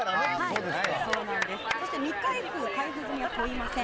そして、未開封・開封済みは問いません。